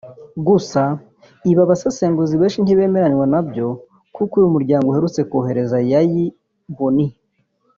Gusa ibi abasesenguzi benshi ntibemeranwa nabyo kuko uyu muryango uherutse kohereza Yayi Boni